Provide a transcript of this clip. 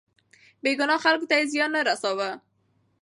بې ګناه خلکو ته يې زيان نه رساوه.